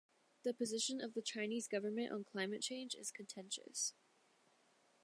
The position of the Chinese government on climate change is contentious.